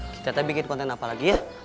kita bikin konten apa lagi ya